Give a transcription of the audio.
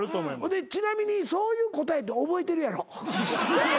ちなみにそういう答えって覚えてるやろ？